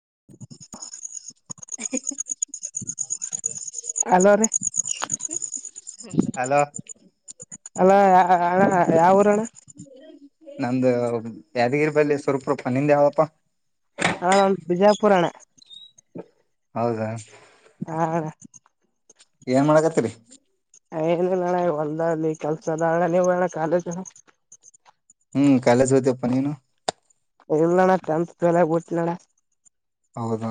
[inaudible] [inaudible] [inaudible] ಅಲ ರೀ ಹಲೋ ಅಲ್ಲ ಯ ಅಣಣ ಯಾವ ಊರಣ್ಣ ನಮ್ದ ಯಾದಗಿರಿ ಬಲ್ಲಿ ಸವರಪ ರೂಪನಿಂದೆ ಯಾವಪ್ಪಾ. ಹಾ ನಂದ ಬಿಜಾಪುರ ಅಣ್ಣಾ. ಹೌದಾ. ಹಾ. ಏನ್ ಮಾಡಕತ್ತರಿ. ಏನ ಹೇಳಣ ಹೊಲ್ದಲ್ಲಿ ಕೆಲ್ಸದ ಅಣ್ಣ ನೀವ ಹೇಳಣ ಕಾಲೇಜ. ಹ್ಮ್ ಕಾಲಜ ಹತಪ್ಪ ನೀನು. ಇಲ್ಲಣ್ಣ ಟೆಂತ್ಲೆಗ್ ಟ್ಟಲಣ. ಹೌದಾ.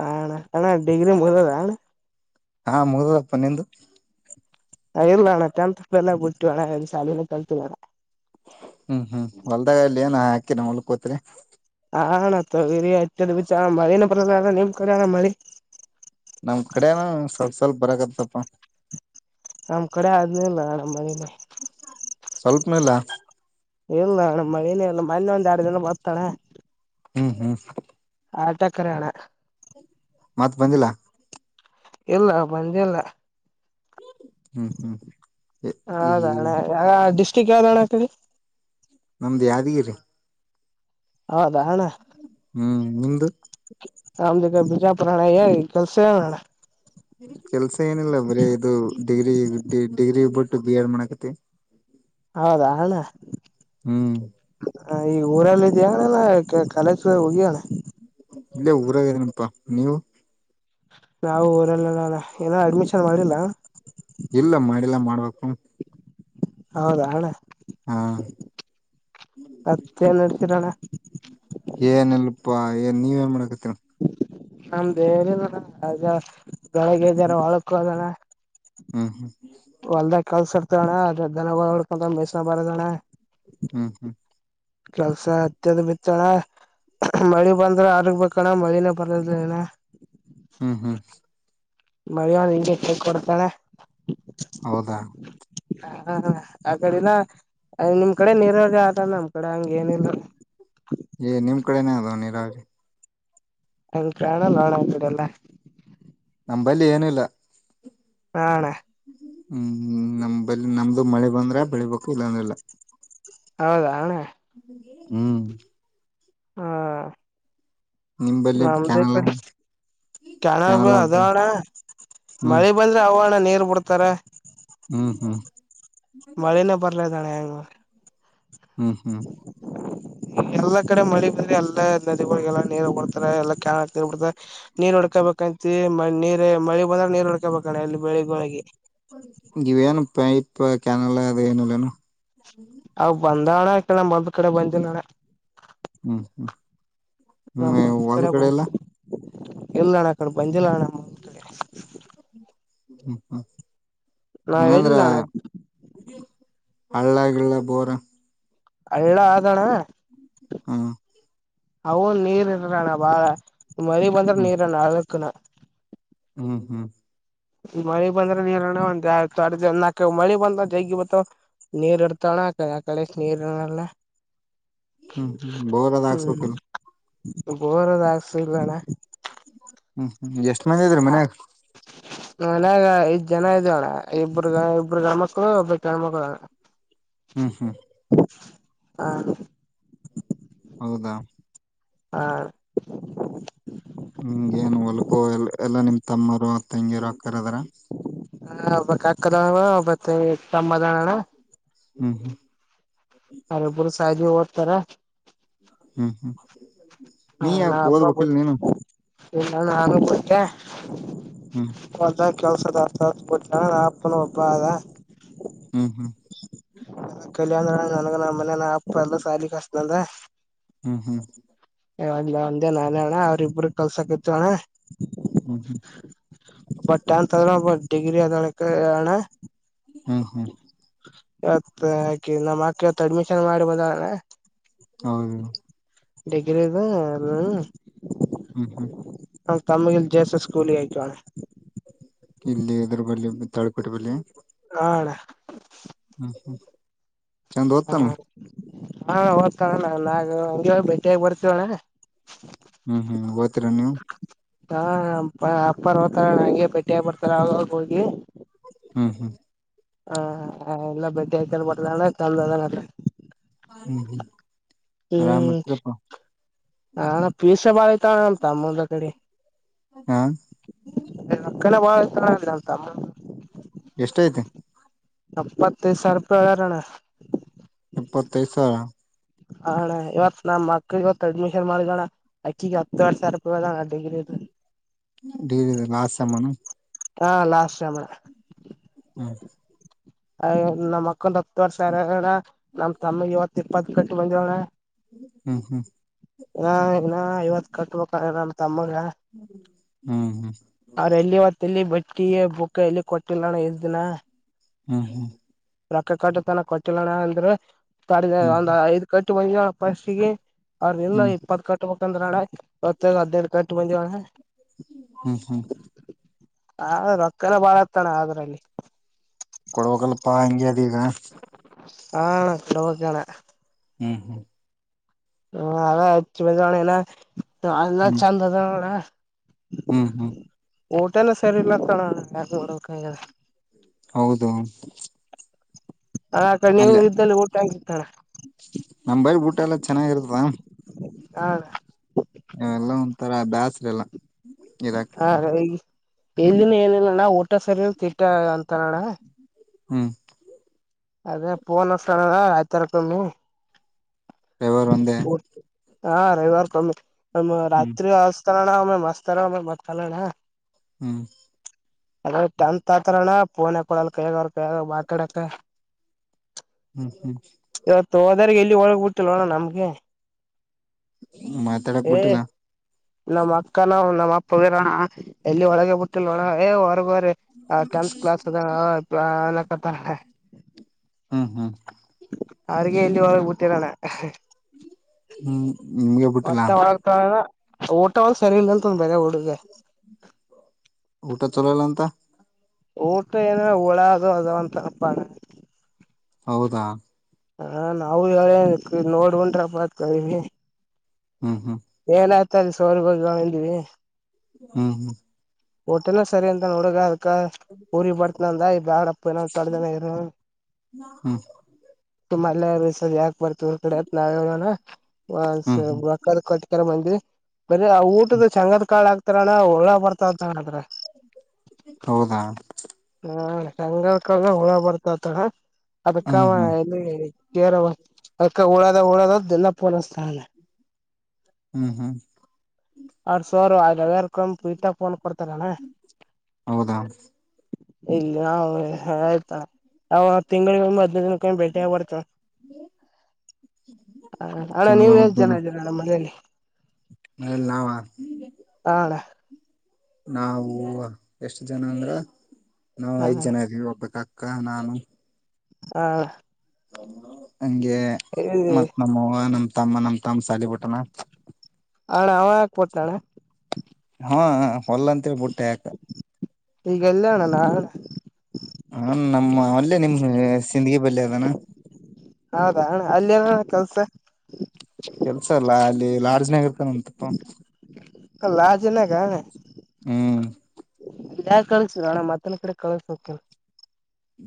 ಹಣ ಅಣ್ಣ ಡಿಗ್ರಿ ಮುಗ್ದಿದೆ. ಹಾ ಮುಗದಪ್ಪ ನಿಂದು. ಇರ್ಲ್ಲ ಅಣ್ಣ ಟೆಂತ್ ಬೆಲ್ಲ ಬಿಟ್ಟು ಅಣ್ಣಏನ್ ಶಾಲಿನ ಕಲ್ತವಾರ. ಹ್ಮ್ ಹ್ಮ್ ಹೊಲ್ದಾಗ ಇಲ್ಲಿ ಏನ ಹಾಕಿರ ಮಳಕ್ೋತ್ರಿ. ಆಣ ತರಿ ಅಡಿ ಬಿ ಮಳನ ಪ್ರಸಮ ಮಳಿ. ನಮ್ ಕಡೆನ ಸ್ವಲ್ಪ ಬರಕತ್ತ ಸ್ವಲ್ಪ. ನಮ್ ಕಡೆ ಆದ್ನ ಇಲ್ಲ ನಮ್ಮ್ ಮನಲಿ. ಸ್ವಲ್ಪನೇಲ್ಲ. ಇಲ್ಲ ನಣ್ಣ ಮನೇ ಇಲ್ಲ ಮ್ಣ ಒಂದ್ ಎರಡು ದಿನ ಬರ್ತಳೆ. ಹ್ಮ್ ಹ್ಮ್. ಆ ಚಕ್ಕರೆಯಣ. ಮತ್ತ್ ಬಂದಿಲ್ಲ. ಇಲ್ಲ ಬಂದಿಲ್ಲ. ಹ್ಮ್ ಹ್ಮ್ ಈ ಹೌದಣೆ ಯ ಡಿಸ್ಟ್ರಿಕ್ ಯಾವ್ದಣ ಆತದೆ. ನಮ್ದು ಯಾದಗಿರಿ. ಹೌದಾ ಹಣ್ಣ. ಹ್ಮ್ ನಿಮ್ಮ್ದು. ಆಮ್ದಕ್ಕೆ ಬಿಜಾಪುಾರ ಏ ಕೆಲ್ಸ ನಡ. ಕೆಲ್ಸ ಏನಿಲ್ಲ ಬರೀ ಇದು ಡಿಗ್ರಿಡಿ ಡಿಗ್ರಿ ಬಿಟ್ಟು ಬಿ ಎಡ್ ಮಾಡಕತಿ. ಹ್ಮ್ಮ. [unintelligible] ಹೌದಾ ಅಣ್ಣ ಹ್ಮ. ಹ ಈ ಊರಲ್ಲಿ ಇದ ಅಣಲ್ಲ ಕಾಲೇಶ್ವರ ಹೋಗ್ಯಣ್ಣ. ಇಲ್ಲೇ ಊರಾಗ ಇದೇನಪ್ಪಾ ನೀವು. ನಾವು ಊರಲ್ಲಲ್ಲ ಏನ ಅಡ್ಮಿಷನ್ ಮಾಡಿಲ್ಲ. ಇಲ್ಲ ಮಾಡಿಲ್ಲಾ ಮಾಡ್ಬೇಕಕ್ು. ಹೌದಾ ಅಣ್ಣ ಹಾ. ಮತ್ತೇನ್ ನಡ್ತೀರಣ್ಣ ಏನಲ್ಪ್ಪಾ ಏನ್ ನೀವೇನ್ ಮಾಡಕತ್ತರ. ನಮ್ದೇರೆಣ ಬೆೊಳಗೆ ಜನ ಒಳಕ್ಕ ಹದಣ. ಹಾ ಹಾ. ಕಲ್ಸಿರ್ತಣ್ಣ ಅದ್ರೆ ದನ ಹೊಡ್ಕೊಂತ ಮೈಸ ಬಾರದಣ್ಣ. ಹ್ಮ್ ಹ್ಮ್. ಕೆಲಸ ಅತ್ಯಧಮಿಚ್ಚಣ ಮಳಿ ಬಂದ್ರ ಆರ್ಗ್ ಬೇಕಣ್ಣ ಮಳಿನೇ ಬರದಏನ. ಹ್ಮ ಹ್ಮ. ಮರಿವ ನಿನ್ ಕೆಟ್ಟ ಕೊಡ್ತಳೆ. ಹೌದಾ. ಹಾ ಆ ಕಡೆಿನ. ನಿಮ್ ಕಡೆ ನೀರೋಗ ಆತಲ್ಲ ನಮ್ ಕಡೆ ಹಂಗ ಏನಿಲ್ಲ. ಏ ನಿಮ್ ಕಡೆನೇ ಅದ ನೀರೆ. ಅ ಪ್ರಾಣ ನೋಡಬಡಲ್ಲ. ನಂಬಲ್ಲಿ ಏನೂಿಲ್ಲ ಹಾ ಅಣ್ಣ ಹ್ಮ್ ನಮ್ ಬಲಿ ನಮ್ದು ಮಳೆ ಬಂದ್ರ ಬೆಳಿಬೇಕು ಇಲ್ಲಂದಲ್ಲ ಹೌದಾಣ ಹ್ಮ್ ಹಾ ನಿಮ್ ಬಲ್ಲಿ ನಮದ ಕ್ಯಾನಲ ಕಾಣಾರ್ಬ ಕ್ಯಾನಲ ಅದಣ್ಣ ಹ್ಮ್ ಮಳೆ ಬಂದ್ರೆ ಅವಣ್ಣ ನೀರ್ ಬಿಡ್ತಾರ ಹ್ಮ್ ಹ್ಮ್ ಮಳೆನೇ ಬರ್ಲ ಇದ್ದಾಳೆ ಹೆಂಗ ಹ್ಮ್ ಹ್ಮ್ ಎಲ್ಲಾ ಕಡೆ ಮಳೆ ಬಂದ್ರೆ ಎಲ್ಲಾ ನದಿಗಳಿಗೆ ಎಲ್ಲಾ ನೀರು ಕೊಡ್ತಾರೆ ಎಲ್ಲಾ ಕಾಣ ಬಿಡ್ತಾರೆ ನೀರ್ ಉಡ್ಕೋಬೇಕಂತ ಮ ನೀರ ಮಳಿಗ್ ಬಂದ್ರೆ ನೀರ್ ಉಡ್ಕೊಬೇಕಣ್ಣ ಇಲ್ಲಿ ಬೆಳಿಗ್ಳಗೆ ಇವೇನು ಪೈಪ್ ಕ್ಯಾನಲ್ ಅದು ಏನುಲ್ಲೇನು ಅವ ಬಂದವಣಕ ನಮ್ಮ ಮಬ್ಬ ಕಡೆ ಬಂದಣ ಹ್ಮ್ ಹ್ಮ್ ಒಲ್ ಕಡೆ ಎಲ್ಲ ಎಲ್ಲ ಅಣ್ಣ ಆ ಕಡೆ ಬಂದಿಲ್ಲ ಅ್ಣ ಕಡೆ ಹ್ಮ್ ಹ್ಮ್ ನಾ ಎಲ್ಲಣ ಅಳ್ಳ ಗಲ್ಲ ಬರ ಅಳ್ಳ ಆದಣ ಹಾ ಅವವು ನೀರು ಇಡಣಾ ಬಾಳ ಮರಿ ಬಂದ್ರೆ ಹ್ಮ್ ನೀರ ಅಳಕಣ ಹ್ಮ್ ಹ್ಮ್ ಮಳಿ ಬಂದ್ರೆ ನೀರಣ ಒಂದತ ಅ ನಾಕ ಮಳಿ ಬಂದ್ರ ಜೈಗಿ ಬ ನೀರ್ ಇರ್ತಾವಳ ಆ ಕಳಕ್ ನೀರ್ ಇಲ್ಲ ಹ್ಮ್ ಹ್ಮ್ ಬೋರದಾಗಸೋ ಪಲ್ ಬೋರದ ಹಾಕ್ಸ ಇಲ್ವಣ್ಣ ಹ್ಮ್ ಹ್ಮ್ ಎಷ್ಟ್ ಮಂದಿ ಇದ್ರರಿ ಮನ್ಯಾಗ ನಳಾಗ ಐದ್ ಜನ ಇದಳ ಇಬ್ಬ್ರ ಇಬ್ರು ಗಂಡ್ಮಕ್ಳು ಒಬ ಗಂಡ್ಮಕ್ಳುಳ ಹ್ಮ್ ಹ್ಮ್ ಹಾ ಹೌದಾ ಹಾ ಹ ನ್ ಹೊಲ್ಕೋ ಎ ಎಲ್ಲಾ ನಿಮ್ ತಮ್ಮರು ತಂಗಿಯರು ಅಕ್ಕರದಾರ ಒಬ್ಬ ಅಕ್ಕದಣ ಮತ್ತೆ ತಮ್ಮದಣಣ್ಣ ಹ್ಮ್ ಹ್ಮ್ ಅರಿಬ್ಬರು ಸಾಯಜಿ ಓದ್ತಾರ ಹ್ಮ್ ಹ್ಮ್ ಹಾ ನೀ ನಾ ಯಾಕ ಹಬ್ಬಬ ಓದ್ಬೇಕಿಲ್ ನೀನು ಇನ್ನ ನಾನು ಹ್ಮ್ ಕೊಟ್ಟೆದ ಕೆಲಸ ತ ಅ ತ ನಾ ಅನ ಒಬಾ ಹ್ಮ್ ಹ್ಮ್ ಕಲ್ಯಾಣ ನನ ನಮ್ಮ ಮನ ಹ ಸಾಲಿ ಕಷ್ಟಂದ ಹ್ಮ್ ಹ್ಮ್ ಯವಾಗ್ಲ ಒಂದೇ ನಾನೇ ಅಣ್ಣ ಅವ್ರ ಇಬ್ಬರು ಕಲ್ಸಾಕತ್ತು ಅಣ್ಣ ಹ್ಮ್ ಹ್ಮ್ ಒಬ ಟೆಂತ್ ಆದದ ಡಿಗ್ರಿ ಅದಳಣ್ಣ ಹ್ಮ್ ಹ್ಮ್ ಇವತ್ ಹಕಿ ನಮ್ಮ ಅಕ್ಕ ಇವತ್ ಅಡ್ಮಿಷನ್ ಮಾಡಿ ಬಂದಾರಣ ಹೌದು ಡಿಗ್ರಿದು. ಹ್ಮ್ ಹ್ಮ್. ಹ ತಮಗೆ ಜಿ ಎಸ್ ಎಸ್ ಸ್ಕೂಲಿಗೆ ಆಕೀವಣ. ಇಲ್ಲಿ ಇದ್ರ ಬಲ್ಲಿ ತಾಳ್ಕಟ್ಟ ಬಲ್ಲಿ ಆ ಅಣ್ಣ. ಹ್ಮ್ ಹ್ಮ್ ಚಂದ ಓದ್ತಲ್ಲ. ಹಾ ಹೋಗದ್ತಣ ನಾಗ ಹಂಗೆ ಭೇಟಿಯಾಗ ಬರ್ತೀವಣ್ಣ. ಹ್ಮ್ ಹ್ಮ್ ಓತರ ನೀವು. ಹ ಅಪ್ಪರ್ ಹತಾರ ನಂಗೆ ಭೇಟಿಯ ಬರ್ತಾರ ಆಗ ಹೋಗಿ. ಹ್ಮ್ ಹ್ಮ್. ಹ ಎಲ್ಲ ಬೇಟೆ [unintelligible] ಹಾಕಣ ತಂದ. ಹೂ. ಹ್ಮ್ ನಾನ ಪೀಸ ಬಾಳ ಐತ ತಮ್ಮಂದ ಕಡೆ. ಹಾ. [unintelligible] ಎಷ್ಟ ಐತೆ ಯಪ್ಪತ್ತೈದು ಸಾವಿರ ರೂಪಾಯಿ ಹೇಳಿ ರಣ. ಎಪ್ಪತ್ತೈದು ಸಾವಿರ. ಆ ಅಣ್ಣ ಇವತ್ತು. ನಮ್ಮ ಮಕ್ಳಿಗೆ ಇತ್ತು ಅಡ್ಮಿಷನ್ ಮಾಡಿದಣ್ಣ ಅಕ್ಕಿಗೆ ಹತ್ತು ವರ್ಷ ರೂಪಾಯಿದಣ್ಣ ಡಿಗ್ರಿದ. ಡಿಗ್ರಿ ಲಾಸ್ಟ್ ಸಿಮ್ ಏನು. ಹಾ ಲಾಸ್ಟ್ ಶಮ ಹ್ಮ. ಅಯ ನಮ್ಮ್ ಮಕ್ಕಂದ ಹತ್ ವರ್ ಸಣ ನಮ್ಮ ತಮ್ಮ ಇವತ್ತು ಇಪ್ಪತ್ತು ಗಂಟೆ ಬಂದವಣ್ಣ. ಹ್ಮ್ ಹ್ಮ್ ನ ನಾ ಇವತ್ ಕಟ್ಬೇಕ ನಮ್ಮ ತಮ್ಮ. ಹ್ಮ್ ಹ್ಮ್. ಲ್ಲಿ ಬಟ್ಟಿ ಬುಕ್ ಎಲ್ಲಿ ಕೊಟ್ಟಿಲ್ಲಣ ಎಷ್ಟ ದಿನ. ಹ್ಮ ಹ್ಮ್. ರೊಕ್ಕ ಕಟ್ಟತನ ಕೊಟ್ಟಿಲಣ ಅಂದ್ರ ತಡೆ ಹ್ಮ್ ಹ್ಮ್ ಹ್ಮ್ ಒಂದ ಐದ್ ಕಟ್ಟಿ ಬಂದ ಒಣ ಫಸ್ಟ್ಗೆ ಅವ್ರ ಇಲ್ಲ ಹ್ಮ್ ಇಪ್ಪತ್ ಕಟ್ ಬಂದ್ರ ನಾಳೆ ಇವತ್ತ ಅಧ್ನೈದು ಕಟ್ ಬಂದಿವವಣ್ಣ. ಹ್ಮ್ ಹ್ಮ್. ಹ ರೊಕ್ಕ ಎಲ್ಲ ಬಾಳ ಹತಾನ ಆದದ್ರಲ್ಲಿ. ಕೊಡ್ಬೇಕಲ್ಪ್ಪಾ ಹಂಗೆ ಅದ ಈಗ. ಆ ಅಣ್ಣ ಕೊಡಬೇಕು ಅಣ್ಣ. ಹ್ಮ್ ಹ್ಮ್. ಹ ಅ ಹೆಚ್ಚ ಮಜಲ್ಲ ಎಲ್ಲ ಹ್ಮ್ ಚಂದ ಅದ ಲನ. ಹ್ಮ್ ಹ್ಮ್. ಊಟೇನ ಸರಿ ಇಲ್ಲತ್ತಣ ಯಕಡ. ಹೌದು ಆ ಕಡೆ ನೀವು ಅಲ್ಲ ಇದ್ದಲ್ಲಿ ಊಟ ಆಗಿತ್ತಣ ನಮ್ಮ ಬರಿ ಊಟ ಎಲ್ಲಾ ಚೆನ್ನಾಗಿರುತ್ತ. ಹಾ ಅಣ್ಣ. ಒಂಥರ ಬ್ಯಾಸ್ರ ಎಲ್ಲ. ಇರಾಕ್ ಹ ಎಲ್ದಿನ ಏನಿಲ್ಲಣ್ಣ ಊಟ ಸರಿ ತಟ್ಟ ಅಂತ ಅಣ್ಣ. ಹ್ಮ್. ಅದೇ [unintelligible] ಆಯ್ತರಕಮ್ಮಿ. [unintelligible] ಒಂದೇ. ಹಾ ರವಿವಾರ ಕಮ್ಮಿ ಒ ಹ್ಮ್ ರಾತ್ರಿ ಆಸ್ತಾರಣ್ಣ ಒಮ್ಮೆ ಮಸ್ತಾರ ಒಮ್ಮ ಮತ್ತಲ್ಲಣ್ಣ. ಹ್ಮ್. ಅದ ಟೆಂತ್ ಆತರಣ ಫೋನ್ ಕೊಡಲ್ಲ ಕೈಗೆ ಮಾತಾಡಕ. ಹ್ಮ್ ಹ್ಮ್. ಹೋದಾರ ಎಲ್ಲಿ ಒಳಗ್ ಬಿಟ್ಟಲಣ್ಣ ನಮ್ಗೆ. ಮಾತಾಡಕ್ ಏ ಬಿಟ್ಟಿಲ್ಲ ನಮ್ಮ್ ಅಕ್ಕನ ನಮ್ಮ್ ಅಪ್ಪಗೀರ ಎಲ್ಲಿ ಒಳಗೆ ಗೊತ್ತಲ್. ಹ ಏ ಹೊರ್ಗರ ಟೆಂತ್ ಕ್ಲಾಸ್ ಅದ ಕತೆ ಹ್ಮ್ ಹ್ಮ್ ಅವ್ರಿಗೆ ಎಲ್ಲಿ ಹೋಗಬಟ್ಟಿರಣ ಹ್ಮ್ ನಿಮ್ಗೆ ಬಿಟ್ಟಿಲ್ಲ ಮತ್ತೆ ಒಳಗ್ತ ಊಟವಲ್ ಸರಿ ಇಲ್ಲ ಅಲ್ ತುಂದ ಬೇರೆ ಊಡುಗೆ ಊಟ ಚಲೋ ಇಲ್ಲ ಅಂತ ಊಟ ಏನ್ ಹಳ ಅದು ಅದ ಅಂತಪ್ಪಾನ ಹೌದಾ ಹಾ ನಾವು ಹೇಳ ನೋಡ್ ಉಂಟ್ರ ಬತ್ ಕವಿ ಹ್ಮ ಹ್ಮ ಏನಾಯಯ್ತ ಅಲ್ಲಿ ಸೋರ್ ಹೋಗ್ಂದಿವವಿ ಹ್ಮ್ ಹ್ಮ್ ಹೋಟೆಲ್ಲ ಸರಿ ಅಂತ ನೋಡ ಅಕ್ಕ ಉಊರಿ ಬರ್ತನಂದ ಬ್ಯಾಡಪ್ಪ ಏನ ತೊಡ್ದನ ಇರು ಹ್ಮ ಲ್ಲ ಯಾಕ ಬರ್ತ್ರ ಕಡೆ ಹ್ಮ್ ಹ್ಮ್ ನಾವದ ಕಟ್ಟ ಬಂದ ಬರ ಆ ಊಟದ ಚಂಗದ್ ಕಾಳ ಆಾತಾರಣ್ಣ ಒಳ್ಳ ಬರ್ತಂತ ಹೇಳಿದ್ರ ಹೌದಾ ಹಾ ಸಂಂಗ ಕಾಲ ಹುಳ ಬರ್ತತ ಅದಕ್ಕ ಹ್ಮ್ ಹ್ಮ್ ಎಲ್ಲಿ ಕೇರವ ಅದಕ್ಕ ಹಳ ಡದದಲ್ಲ ಪಲಸ್ತಾನೆ ಹ್ಮ್ ಹ್ಮ್ ಆ ಸರ ಆಯ ಪ ಪಯತಾಫನ ಕೊರತರಣ ಹೌದಾ ಇಲ್ಲಿ ನಾ ಆಯ್ತಾ ನಾವು ತಿಂಗಳ ಮದ್ನ ಕ ಭೇಟೆವತ ಹ ಅಣ್ಣ ನೀವು ಎನ್ ಚೆನ್ನ ಇದೀರ ಅಣ್ಣ ಮನೆಯಲ್ಲಿ ಅಲ್ಲವ ಹಾ ಅಣ್ಣ ನಾವು ಎಷ್ಟು ಜನ ಅಂದ್ರ ನಾವವು ಹಾ ಐದ್ ಹಾ ಜನ ಇದೀವಿ ಹೋಗ್ಬೇಕ ಆತ ಕಾನಾನು ಹಾ ಹಂಗೆ ಮತ್ತ್ ಅಣ್ಣ ನಮ್ಮವ ನಮ್ ತಮ್ಮ ನಮ್ ತಮ್ಮ ಸಾಲಿ ಬಿಟ್ಟಣ ಹಾಳ ಅವಾಕ್ ಕೊತಾಳೆ ಹಾ ಹೊಲ್ಂತವಿ ಬುಟ್ಟೆ ಯಾಕ ಈಗಲ್ಲಯಣ ನಾಾವಣ ಹಾ ನಮ್ಮ ಅಲ್ಲೇ ನಿಮ್ ಸಿಿಂದಗ ಬಲ್ಿ ಅದಾನ ಹೌದಾ ಹಣ ಅಲ್ಲಿನಣ ಕೆಲ್ಸ ಕೆಲ್ಸ ಅಲ್ಲಾ ಅಲ್ಲಿ ಲಾರ್ಜ್ನಾಗ ಇರ್ತಾನಂತಪ್ಪ ಅಲ್ಲಜಿನಾಗಣೆ ಹ್ಮ್ ಯಾ ಕಳಸಿಲ್ಲ ನಣ ಮತ್ತೊನ ಕಡೆ ಕಳ್ಸೋಕಲ್ಲ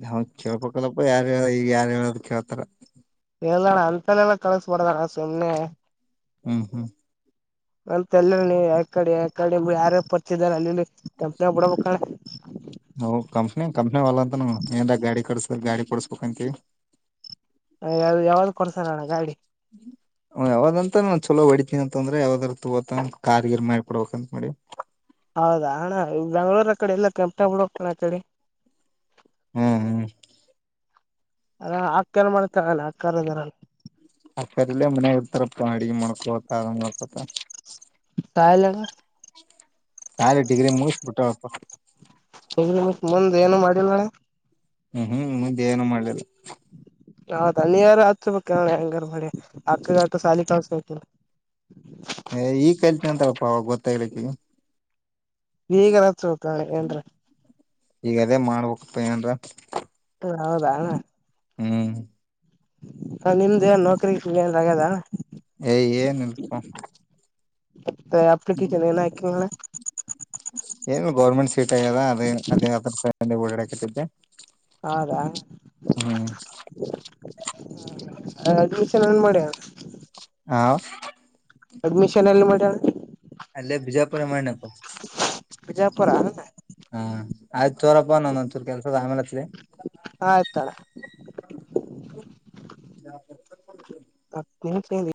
ನಾ ಕೇಳ್ಪಲ್ಲಪ್ಪ ಯಾರು ಹೇಳ ಈಗ ಯಾರು ಹೇಳದ ಕೇಳ್ತಾರ ಕೇ್ದಣ ಅಂತನೆೆಲ್ಲ ಕಳಸಬಡ್ದಣ ಸುಮ್ನೆ ಹ್ಮ್ ಹ್ಮ್ ಮಂತ ಎಲ್ಲ ನೀ ಯ ಕಡೆ ಯ ಕಡೆ ಯಾರ ಪರ್ತಿದ್ದಾರೆ ಅಲ್ಲಿ ಕಂಪ್ನ ಬಿಡಬೇಕಣ ನ ಕಂಪ್ನಿ ಕಂಪ್ನಿ ವಲ್ಲ ಅಂತ ನ್ಾಗ ಗಾಡಿ ಕಡಸ್ ಗಾಡಿ ಕೊಡಸ್ಬೇಕಂತೀ ಯಾವ ಯಾವ್ದು ಕೊರ್ಸರೋಣ್ಣ ಗಾಡಿ ಯಾವ್ದಂತ ನಾನು ಚಲೋ ಹೊಡಿತೀನಿ ಅಂತ ಅಂದ್ರೆ ಯಾವ್ದಾದ್ರು ತತ ಕಾರ್ ಗಿರ್ ಮಾಡ್ಕಡ್ಬೇಕ ಅಂತ ಮಾಡಿ ಹೌದಾ ಹಣ್ಣ ಬೆಂಗ್ಳೂರ್ ಅ ಕಡೆ ಎಲ್ಲ ಕೆಂಪಟ ಹುಡಣ ಅ ಕಡೆ ಹ್ಮ್ ಹ್ಮ್ ಅಲ್ಲ ಆಕ್ಕಲ್ಲ ಮಾಡತ್ತ ಆಗಲ್ಲ ಆಕ್ಕಾರದಾರಲ್ಲ ಆ ಸರಿಲ್ಲೇ ಮನೆ ಇರ್ತಾರಪ್ಪ ಅಡಿಗೆ ಮಾಡ್ಕೊತ್ ಮಾಡ್ಕೊತ [unintelligible] ಶಾಲೆ ಡಿಗ್ರಿ ಮುಗಿಸ್ಬಿಟ್ಟಪ್ಪ. ಮುಂದ್ ಏನು ಮಾಡಿಲ್ಲ. ಹ್ಮ್ ಹ್ಮ್ ಮುಂದೆ ಏನು ಮಾಡ್ಲಿಲ್ಲ. ಹಾ [unintelligible] ಹೆಂಗನ ಮಾಡಿ ಅಕ್ಕತು ಸಾಲಿ ಕಸ ಏ ಈಗ ಕಲ್ತೀನ ಅಂತಾವಪ್ಪ ಅವಾಗ ಗೊತ್ತಾಗಲಿಕ್ಕೆ ಈಗ ರತ್ತಿ ಏನ್ರಿ ಈಗ ಅದೇ ಮಾಡ್ಬೇಕ್ಪ ಏನ್ರ ಹೌದಾ ನಾ ಹ್ಮ್ ಹ ನಿಮ್ದ ಏನ್ ನೌಕ್ರಿ ಗಿಕ್ರಿ ಆಗ್ಯದ. ಏ ಎನಿಲ್ಪೋ ಅಪ್ಲಿಕೇಶನ್ನ ಆಕ್ಕೀಲ್ಲ ಏನು ಗೌರ್ಮೆಂಟ್ ಸಿಟ್ಯಾಗ್ಯದ ಅದೇ ಅದಗಡೆಕಟ್ಟಿದ್ದೆ ಹೌದಾ ಹ್ಮ ಅಡ್ಮಿಷನ್ ಏನ್ ಮಾಡ್ಯ ಹ ಅಡ್ಮಿಷನ್ ಎಲ್ಲಿ ಮಾಡ್ಯಳ ಅಲ್ಲೇ ಬಿಜಾಪುರ [unintelligible] ಬಿಜಾಪುರ ಎನಾ ಹಾ ಆಯ್ತು ಚೋರಪ್ಪಾ ನನ್ ಒಚೂರ್ ಕೆಲ್ಸದ ಆಮೇಲೆ ಹಚ್ರಿ ಆಯ್ತನ್ನ [inaudible] ಅಕ್ಕನ್ ಸೇವಿ